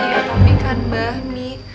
iya tapi kan bah nih